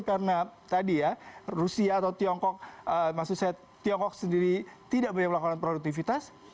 karena tadi ya rusia atau tiongkok maksud saya tiongkok sendiri tidak banyak melakukan produktivitas